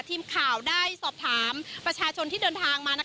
ทีมข่าวได้สอบถามประชาชนที่เดินทางมา